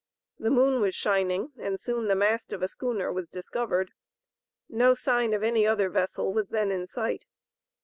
The moon was shining and soon the mast of a schooner was discovered. No sign of any other vessel was then in sight.